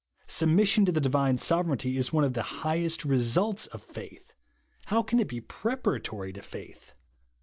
Submission to the divine sove reignty is one of the highest results of faith, — how can it be preparatory to faith